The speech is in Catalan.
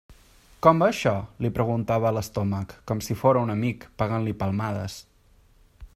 Com va això? –li preguntava a l'estómac, com si fóra un amic, pegant-li palmades.